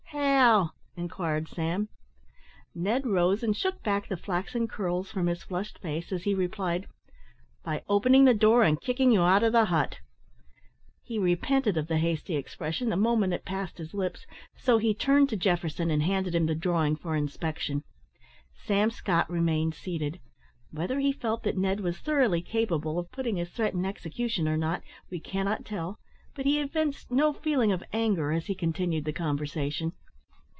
"How?" inquired Sam. Ned rose and shook back the flaxen curls from his flushed face, as he replied, "By opening the door and kicking you out of the hut." He repented of the hasty expression the moment it passed his lips, so he turned to Jefferson and handed him the drawing for inspection. Sam Scott remained seated. Whether he felt that Ned was thoroughly capable of putting his threat in execution or not we cannot tell, but he evinced no feeling of anger as he continued the conversation.